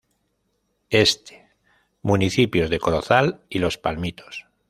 Este: Municipios de Corozal y Los Palmitos.